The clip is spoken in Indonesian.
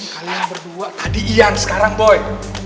kalian berdua tadi iyan sekarang boy